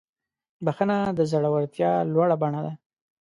بخښنه د زړورتیا لوړه بڼه ده.